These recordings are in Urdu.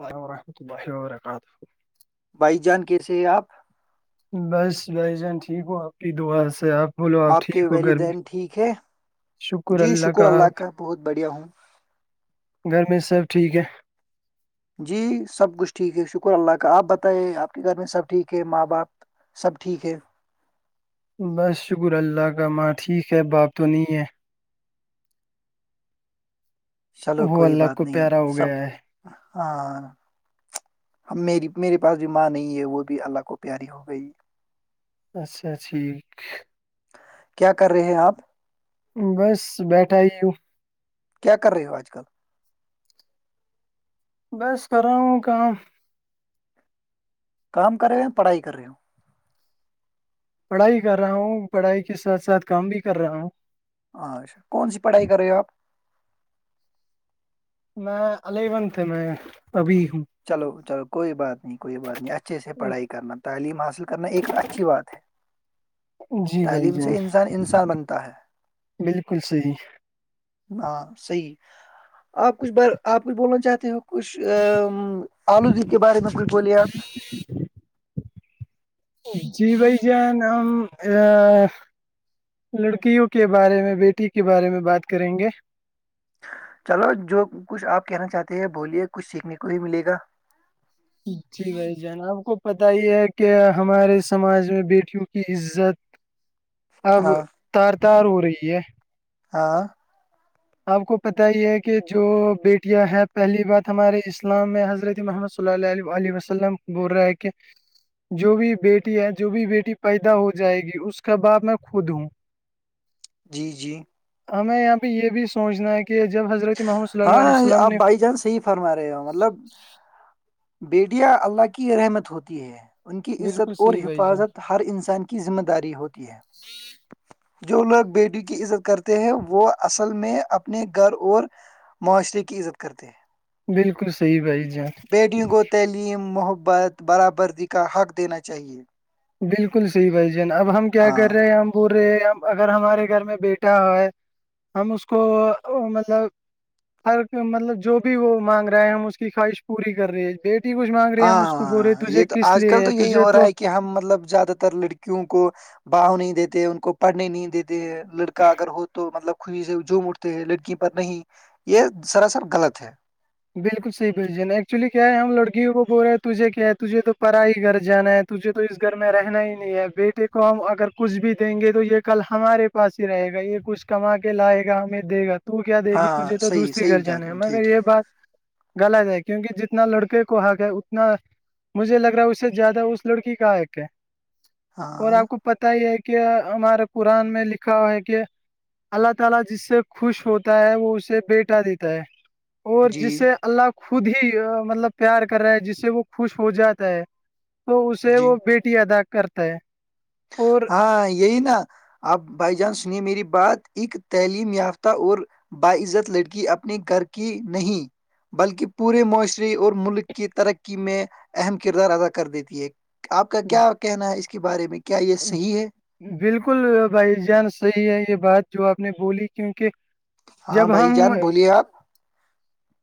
اللہ وورحمۃ اللہ و برکاتہ بائیس جان کیسے ہے آپ بس بھائی جان ٹھیک ہو آپ کی دعا سے آپ بولو آپ کے ٹھیک ہو گھر میں والدین ٹھیک ہے جی شکر اللہ کا بہت بڑھیا ہوں گھر میں سب ٹھیک ہے جی سب کچھ ٹھیک ہے شکر اللہ کا آپ بتائیے آپ کے گھر میں سب ٹھیک ہے ماں باپ سب ٹھیک ہے بس شکر اللہ کا ماں ٹھیک ہے باپ تو نہیں ہے چلو وہ کوئی اللہ بات کو نہیں پیارا ہو سب گیا ہے ہاں ہم میری میرے پاس بھی ماں نہیں ہے وہ بھی اللہ کو پیاری ہو گئی اچھا ٹھیک کیا کر رہے ہیں آپ بس بیٹھا ہی ہوں کیا کر رہے ہو آج کل بس کر رہا ہوں کام کام کر رہے ہو ہیں پڑھائی کر رہے ہو پڑھائی کر رہا ہوں پڑھائی کے ساتھ ساتھ کام بھی کر رہا ہوں اچھا کون سی پڑھائی کر رہے ہو آپ میں الیون تھے میں ابھی ہوں چلو چلو کوئی بات نہیں کوئی بات نہیں اچھے سے پڑھائی کرنا تعلیم حاصل کرنا ایک اچھی بات ہے جی بھائی تعلیم جان سے انسان انسان بنتا ہے بالکل صحیح ہاں صحیح آپ کچھ ب آپ کچھ بولنا چاہتے ہو کچھ ا آلو جی کے بارے میں کچھ بولے آپ جی بھائی جان ہم ا لڑکیوں کے بارے میں بیٹی کے بارے میں بات کریں گے چلو جو کچھ آپ کہنا چاہتے ہیں بولیے کچھ سیکھنے کو ہی ملے گا جی بھائی جانب کو پت ہی ہے کہ ہمارے سماج میں بیٹیوں کی عزت [inaudible] اب ہاں تار تار ہو رہی ہے ہاں آپ کو پت ہی ہے کہ جو بیٹیاں ہے پہلی بات ہمارے اسلام میں حضرت محمد صلی اللہ عل علیہ وسللم بول رہا کہ جو بھی بیٹی ہے جو بھی بیٹی پیدا ہو جائے گی اس کے بعد میں خود ہوں جی جی ہمیں یہاں پہ یہ بھی سوچنا ہے کہ جب حضرت محمد صلی اللہ علیہ ہاں وسللم آپ نے بھائی جان صحیح فرما رہے ہو مطلب بیٹیا اللہ کی رحمت ہوتی ہے ان کی بالکل عزت اور صحیح بھائی جان حفاظت تو ہر انسان کی ذمہ داری ہوتی ہے جو لوگ بیٹی کی عزت کرتے ہیں وہ اصل میں اپنے گھر اور معاشرے کی عزت کرتے ہیں بالکل صی بھائی ج بیٹیوں کو تعلیم محبت برابردی کا حق دینا چاہیے بالکل صحیح بھ جان اب ہم کیا ہاں کر رہے ہیں ہم پورے اگر ہمارے گھر میں بیٹا ہے ہم اس کو مطلب ہر مطلب جو بھی وہ مانگ رہا ہے ہم اس کی خواہش پوری کر رہی ہے بی کچھ مانگ رہی ہم اس کو بول رہے ہاں تجھے یہ تو کس آج لیے کل تو ہے یہی تجھے ہو رہا تو ہے کہ ہم مطلب زیادہ تر لڑکیوں کو بھاؤ نہیں دیتے ان کو پڑھنے نہیں دیتے ہیں لڑکا اگر ہو تو مطلب خوشی سے جوم اٹھتے لڑکی پر نہیں یہ سرا سر غلط ہے بالکل صحیح ب جا ایکچولی کیا ہے ہم لڑکیوں کو بول رہے ہیں تجھے کیا ہے تجھے تو پا ہی گھر جانا ہے تجھے تو اس گھر میں رہنا ہی نہیں ہے بیٹے کو ہم اگر کچھ بھی دیں گے تو یہ کل ہمارے پاس ہی رہے گا یہ کچھ کما کے لائے گا ہمیں دے گا تو کیا دیک گی تجھے ہاں تو صحیح دوسری صحیح گھر جان جانا رہا ہے ہوں مگر ٹھیک یہ بات گلا جائے کیونکہ جتنا لڑکے کو حق ہے اتنا مجھے لگ رہا ہے اس سے زیادہ اس لڑکی کاق ہے اور ہاں آپ کو پت ہی ہے کہ ہمارے قرآن میں لکھا ہوا ہے کہ اللہ تعالی جس سے خوش ہوتا ہے وہ اسے بیٹا دیتا ہے اور جی جس سے اللہ خود ہی مطلب پیار کر رہا ہے جس سے وہ خوش ہو جاتا ہے تو اسے جی وہ بیٹی ادا کرتا ہے اور ہاں یہی نا آپ بائی چانس سنیے میری بات ایک تعلیم یافتہ اور باعزت لڑکی اپنے گھر کی نہیں بلکہ پورے معاشرے اور ملک کی ترقی میں اہم کردار ادا کر دیتی ہے آپ کا کیا کہنا ہے اس کے بارے میں کیا یہ صحیح ہے بالکل بھائی جان صحیح ہے یہ بات جو آپ نے بولی کیونکہ ہاں جب بھائی جان بولیے آپ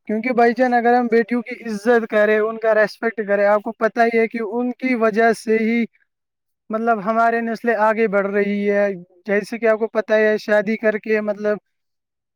کیونک بھائی چان اگر ہم بیٹھی ہ کی عزت کرے ان کا ریسپیکٹ کرے آپ کو پت ہی ہے کہ ان کی وجہ سے ہی مطلب ہمارے نسلیں آگے بڑھ رہی ہے جیسے کہ آپ کو پت ہے شادی کر کے مطلب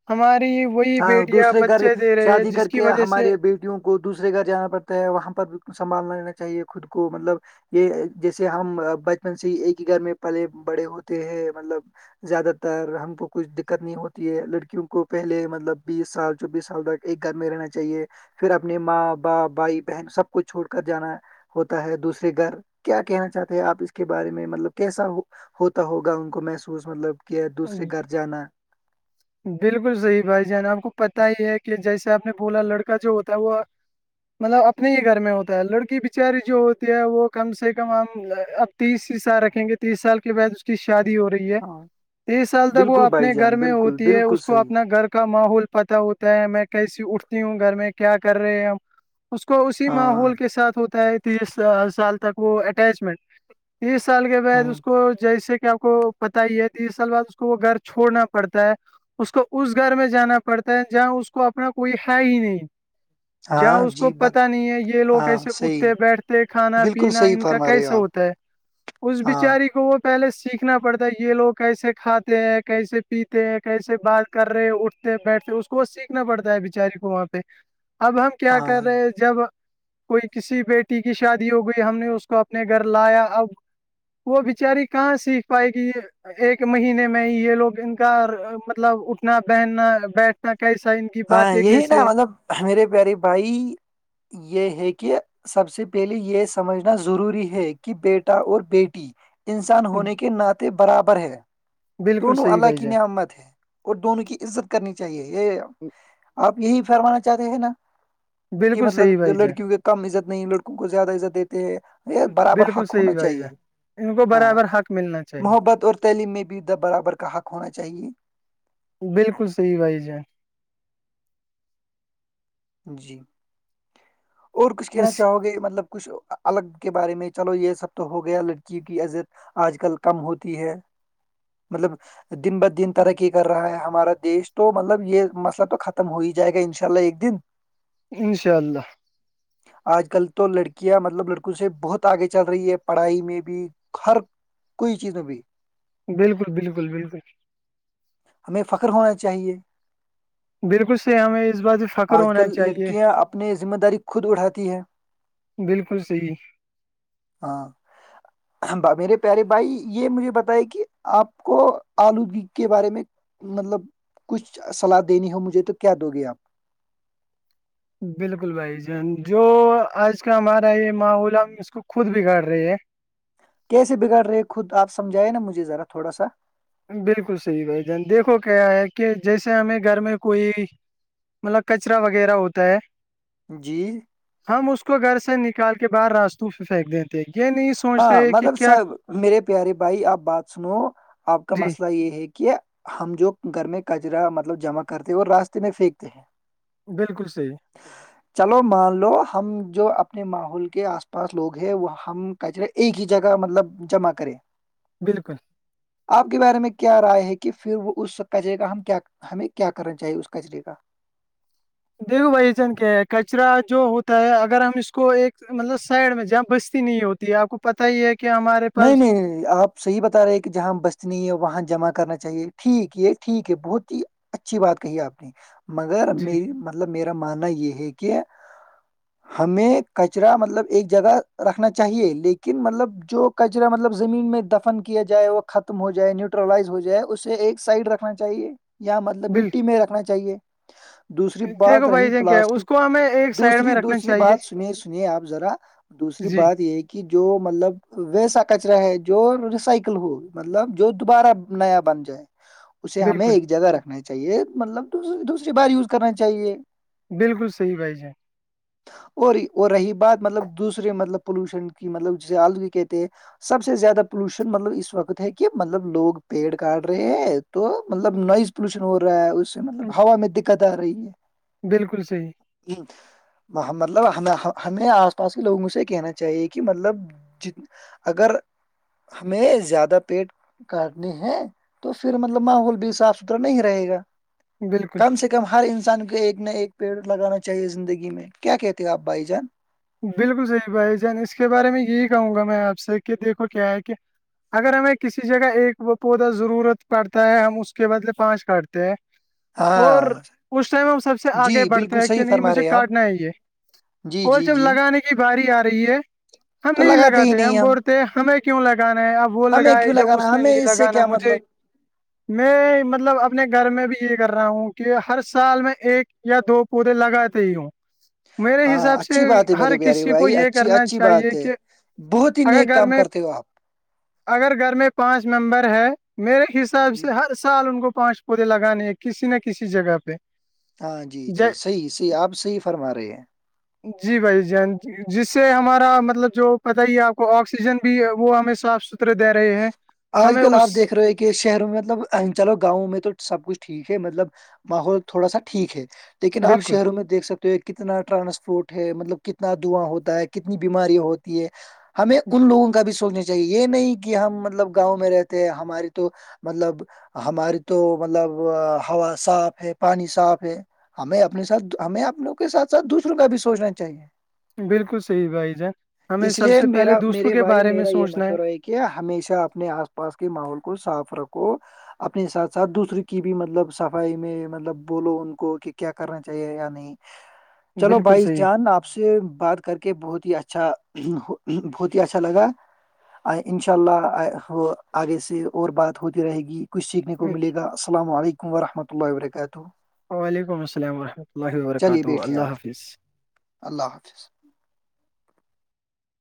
ہماری وہی ہاں بیٹیاں دوسرے گھر بچے دے رہے ہے شادی جس کر کی کے وجہ سے ہمارے بیٹیوں کو دوسرے گھر جانا پڑتا ہے وہاں پر بھی سنبھالنا لینا چاہیے خود کو مطلب یہ جیسے ہم بچپن سے ہی ایک ہی گھر میں پلے بڑے ہوتے ہیں مطلب زیادہ تر ہم کو کچھ دقت نہیں ہوتی ہے لڑکیوں کو پہلے م مطلب بیس سال چوبیس سال تک ایک گھر میں رہنا چاہیے پھر اپنے ماں باپ بھائی بہن سب کوچھ چھوڑ کر جانا ہے ہوتا ہے دوسرے گھر کیا کہنا چاہتے ہیں آپ اس کے بارے میں مطلب کیسا ہو ہوتا ہوگا ان کو محسوس مطلب کہ دوسرے گھر جانا بالکل صحیح بھائی جان آپ کو پتا ہی ہے کہ جیسے آپ نے بولا لڑکا جو ہوتا ہے وہ مطلب اپنے ہی گھر میں ہوتا ہے لڑکی بچاری جو ہوتی ہے وہ کم سے کم ہم تیس سال رکھیں گے تیس سال کے بع اس کی شادی ہو رہی ہے ہاں تیس سال تک وہ بالکل بھائی اپنے گھر جان میں ہوتی بالکل ہے بالکل اس کو صحیح اپنا گھر کا ماحول پتتا ہوتا ہے میں کیسی اٹھتی ہوں گھر میں کیا کر رہے ہیں ہم اس کو اسی ہاں ماحول کے ساتھ ہوتا ہے تیس سال تک وہ اٹیچمنٹ تیس سال کے بعد ہوں اس کو جیسے کہ آ کو پتا ہی ہے تیس سال بعد اس کو وہ گھر چھوڑنا پڑتا ہے اس کو اس گھر میں جانا پڑتا ہے جہ اس کو اپنا کوئی ہے ہی نہیں [inaudible] جہ اس کو جی بس پتا نہیں ہے یہ لوگ ہاں ایسے صحیح اٹھتے بیٹھتے کھانا بالکل پینا صحیح ان کا فرما رہے ہو کیسا آپ ہوتا ہے اس ہاں بچاری کو وہ پہلے سیکھنا پڑتا ہے یہ لوگ کیسے کھاتے ہیں کیسے پیتے ہیں کیسے بات کر رہے اٹھتے بیٹھتے اس کو ب سیکھنا پڑتا ہے بچاری کو وہاں پہ اب ہم کیا ہاں کر رہے جب کوئی کسی بیٹی کی شادی ہو گئی ہم نے اس کو اپنے گھر لایا اب وہ بچاری کہاں سیکھ پائے کہ یہ ایک مہینے میں یہ لوگ ان کا مطلب اٹھنا بہننا بیٹھنا کیسا ہی ہاں یہی نا مطلب میرے پیارے بھائی یہ ہے کہ سب سے پہلے یہ سمجھنا ضروری ہے کہ بیٹا اور بیٹی انسان ہونے کے ناطے برابر ہے بالکل دونوں صحیح اللہ بھائی کی جان نعمت ہے اور دونوں کی عزت کرنی چاہیے یہ آپ یہی فرمانا چاہتےے ہیں نا کہ بالکل صحیح مطلب بھائی لڑکیوں کی کم عزت نہیں لڑکوں کو زیادہ عزت دیتے ہیں جان برابر بالکل حق صحیح ہونا بھائی چاہیے جان ان کو ہاں برابر حق ملنا چاہیے محبت اور تعلیم میں بھی د برابر کا حق ہونا چاہیے بالکل صحی بھائی ج جی اور کچھ کہنا اس چاہو گے مطلب کچھ الگ کے بارے میں چلو یہ سب تو ہو گیا لڑکی کی عزت آج کل کم ہوتی ہے مطلب دن بہ دن ترقی کر رہا ہے ہمارا دیش تو مطلب یہ مسئلہ تو ختم ہو ہی جائے گا انشاء اللہ ایک دن انشاء اللہ آج کل تو لڑکیاں مطلب لڑکوں سے بہت آگے چل رہی ہے پڑھائی میں بھی ہر کوئی چیز ابھی بالکل بالکل بالکل ہمیں فخر ہونا چاہیے بالکل سے ہمیں اس بات پہ فخر آج ہونا کل چاہیے لڑکیاں اپنی ذمہ داری خود اٹھاتی ہیں بالکل صحی ہاں میرے پیارے بھائی یہ مجھے بتائے کہ آپ کو آلودودی کے بارے میں مطلب کچھ سلاح دینی ہو مجھے تو کیا دو گے آپ بالکل بھائی جان جو آج کا ہمارا یہ ماحول ہے اس کو خود بگاڑ رہی ہے کیسے بگڑ رہے خود آپ سمجھائے نا مجھے ذا تھوا سا بالکل صحیح بھائی جان دیکھو کیا ہے کہ جیسے ہمیں گھر میں کوئی مطلب کچرا وغیرہ ہوتا ہے جی ہم اس کو گھر سے نکال کے باہر راستوں پ پھینک دیتے یہ نہیں سوچ ہاں رہے کہ مطلب س کیا میرے پیارے بھائی آپ بات سنو آپ کا جی مسئلہ یہ ہے کہ کیا ہم جو گھر میں کچرا مطلب جمع کرتے ہیں اور راستے میں پھینکتے ہیں بالکل صحی چلو مان لو ہم جو اپنے ماحول کے آس پاس لوگ ہیں وہ ہم ایک ہی جگہ مطلب جمع کرے بالکل آپ کے بارے میں کیا رائے ہے کہ پھر وہ اسق کہ جے گا ہم کیا ہمیں کیا کرنا چاہیے اس کچرے کا دیکھو بھائی جان کیا ہے کچرا جو ہوتا ہے اگر ہم اس کو ایک مطلب سائڈ میں جہاں بستی نہیں ہوتی آپ کو پت ہی ہے کہ ہمارے پاس نہیں نہیں آپ صحی بتا رہے کہ جہاں بستنی ہے وہاں جمع کرنا چاہیے ٹھیک یہ ٹھیک ہے بہت ہی اچھی بات کہی آپ نے مگر جی م مطلب میرا ماننا یہ ہے کہ ہمیں کچرا مطلب ایک جگہ رکھنا چاہیے لیکن مطلب جو کچرا مطلب زمین میں دفن کیا جائے وہ ختم ہو جائے نیوٹرلائز ہو جائے اسے ایک سائڈ رکھنا چاہیے یا مطلب بل مٹی میں رکھنا چاہیے دوسری بات دیکھو رہی بھائی جان کیا ہے پلاسٹک اس کو ہمیں ایک سائڈ میں دوسری رکھنا دوسری چاہیے بات سنی سنیئے آپ ذرا دوسری جی بات یہ ہے کہ جو مطلب ویسا کچرا ہے جو ریسائکل ہو مطلب جو دوبارہ نیا بن جائے اسے ہمیں بالکل ایک جگہ رکھنا چاہیے مطلب دوسری بار یوز کرنا چاہیے بالکل صحیح بھائی جی اور وہ رہی بات مطلب دوسرے مطلب پولوشن کی مطلب جیسے آلودگی کہتے سب سے زیادہ پولوشن مطلب اس وقت ہے کہ مطلب لوگ پیڑ کاٹ رہے ہیں تو مطلب نوائز پولوشن ہو رہا ہے اس سے مطلب ہوا میں دقت آ رہی ہے بالکل صحیح ہ [unintelligible] مطلب ہم ہمیں آس پاس کے لوگوں سے یہ کہنا چاہیے کہ مطلب جت اگر ہمیں زیادہ پیٹ کاٹنی ہے تو پھر مطلب ماحول بھی صاف ستھرا نہیں رہے گا بالکل کم سے کم ہر انسان کے ایک نہ ایک پیڑ لگانا چاہیے زندگی میں کیا کہتے ہیں آپ بھائی جان بالکل صحیح بھائی جان اس کے بارے میں یہی کہوں گا میں آپ سے کہ دیکھو کیا ہے کہ اگر ہمیں کسی جگہ ایک وہ پودا ضرورت پڑتا ہے ہم اس کے بدلے پانچ کاٹتے ہیں ہاں اور اس ٹائم ہم سب سے آگے جی بڑھتے بالکل ہیں کہ صحیح نہیں فرما رہے مجھے ہیں آپ کاٹنا ہے یہ جی اور جی جب جی لگانے کی باری آ رہی ہے ہم تو نہیں ہی لگاتے نہیں ہم بولتے ہمیں کیوں لگانا ہے اب وہ ہمیں لگائے یا اس نے نہیں لگانا مجھے ہی [unintelligible] میں مطلب اپنے گھر میں بھی یہ کر رہا ہوں کہ ہر سال میں ایک یا دو پودے لگاتے ہی ہوں [inaudible] میرے ہاں حساب سے اچھی بات ہے میرے ہر پیارے کسی کو بھائی یہ اچھی کرنا اچھی چاہیے بات ہے کہ بہت ہی اگر نیک گھر کام میں کرتے ہو آپ اگر گھر میں پانچ ممبر ہے میرے حساب جی سے ہر سال ان کو پانچ کوے لگانے ہے کسی نہ کسی جگہ پہ ہاں جی جی جے صحیح صحیح آپ صحیح فرما رہے ہیں جی بھائی جان جس سے ہمارا مطلب جو پت ہی ہے آپ کو آکسیجن بھی ہے وہ ہمیں صافتا دے رہے ہیں آج ہمیں کل آپ اس دیکھ رہے ہیں کہ شہروں میں مطلب چلو گاؤں میں تو سب کچھ ٹھیک ہے مطلب ماحول تھوڑا سا ٹھیک ہے لیکن آپ بالکل شہروں میں دیکھ سکتے تو کتنا ٹرانسپورٹ ہے مطلب کتنا دواں ہوتا ہے کتنی بیماری ہوتی ہے ہمیں ان لوگوں کا بھی سوچنا چاہیے یہ نہیں کہ ہم مطلب گاؤں میں رہتے ہماری تو مطلب ہماری تو مطلب ہوا صاف ہے پانی صاف ہے ہمیں اپنے ساتھ ہمیں اپنے کے ساتھ ساتھ دوسروں کا بھی سوچنا چاہیے بالکل صحیح بھائی جان ہمیں اس سب لیے سے پہلے میرا دوسروں میرے کے بھائی بارے میں میرا یہ سوچنا مشورہ ہے کہ کہ ہمیشہ اپنے آس پاس کے ماحول کو صاف رکھو اپنے ساتھ ساتھ دوسرے کی بھی مطلب صفائی میں مطلب بولو ان کو کہ کیا کرنا چاہیے یا نہیں ہے چلو بالکل بھائی صحیح جان آپ س سے بات کر کے بہت ہی اچھا بہت ہی اچھا لگا آ ان شاء اللہ آگے سے اور بات ہوتی رہے گی کچھ سیکھنے کو ملے گا السلام علیکم ورحمۃہ اللہ و برکاتہ وعلیکم السلام ورحمۃ اللہ وبرکاتہ بیٹھے اللہ آپ حافظ [inaudible]